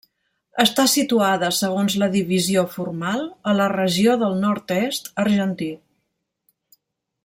Està situada segons la divisió formal, a la regió del Nord-est argentí.